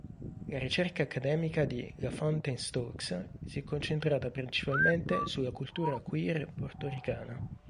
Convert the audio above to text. La ricerca accademica di La Fountain-Stokes si è concentrata principalmente sulla cultura queer portoricana.